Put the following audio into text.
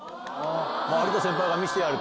有田先輩が見せてやる！